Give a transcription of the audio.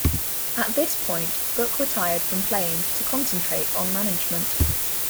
At this point Book retired from playing to concentrate on management.